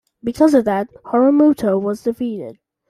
Because of that, Harumoto was defeated.